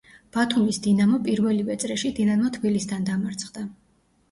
ბათუმის „დინამო“ პირველივე წრეში „დინამო თბილისთან“ დამარცხდა.